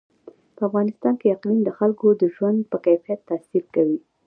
په افغانستان کې اقلیم د خلکو د ژوند په کیفیت تاثیر کوي.